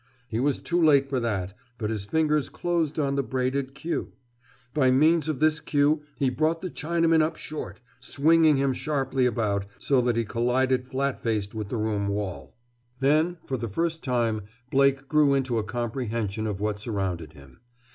He was too late for that, but his fingers closed on the braided queue. By means of this queue he brought the Chinaman up short, swinging him sharply about so that he collided flat faced with the room wall. Then, for the first time, Blake grew into a comprehension of what surrounded him.